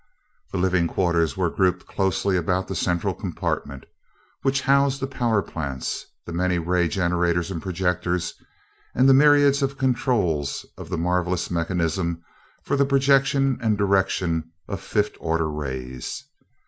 The living quarters were grouped closely about the central compartment, which housed the power plants, the many ray generators and projectors, and the myriads of controls of the marvelous mechanism for the projection and direction of fifth order rays.